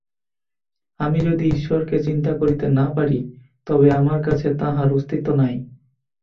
আমি যদি ঈশ্বরকে চিন্তা করিতে না পারি, তবে আমার কাছে তাঁহার অস্তিত্ব নাই।